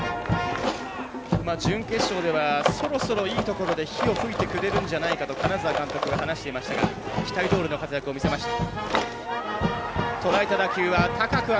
準決勝ではそろそろいいところで火を噴いてくれるんじゃないかと金沢監督が話していましたが期待どおりの活躍を見せました。